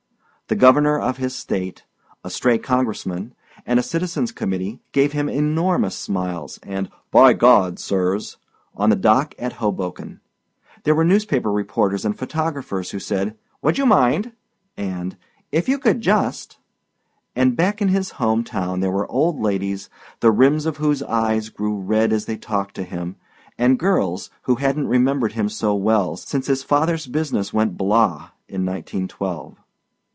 The governor of his State, a stray congressman, and a citizens' committee gave him enormous smiles and "By God, Sirs" on the dock at Hoboken; there were newspaper reporters and photographers who said "would you mind" and "if you could just"; and back in his home town there were old ladies, the rims of whose eyes grew red as they talked to him, and girls who hadn't remembered him so well since his father's business went blah! in nineteen twelve.